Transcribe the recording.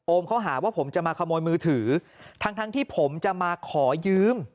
เขาหาว่าผมจะมาขโมยมือถือทั้งทั้งที่ผมจะมาขอยืม